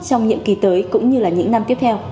trong nhiệm kỳ tới cũng như là những năm tiếp theo